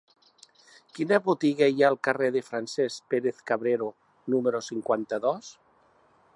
Quina botiga hi ha al carrer de Francesc Pérez-Cabrero número cinquanta-dos?